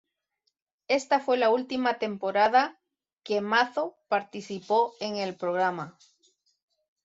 Esta fue la última temporada que Mazo participó en el programa.